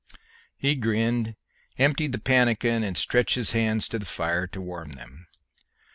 He grinned, emptied the pannikin, and stretched his hands to the fire to warm them.